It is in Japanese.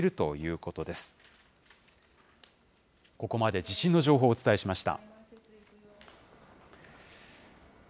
ここまで地震の情報をお伝えしました。